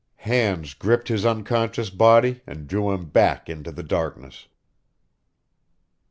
Hands gripped his unconscious body and drew him back into the darkness.